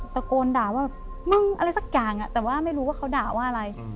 ตะโกนด่าว่ามึงอะไรสักอย่างแต่ว่าไม่รู้ว่าเขาด่าว่าอะไร